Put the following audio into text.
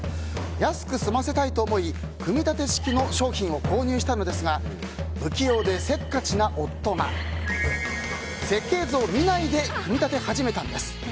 安く済ませたいと思い組み立て式の商品を購入したのですが不器用でせっかちな夫が設計図を見ないで組み立て始めたんです。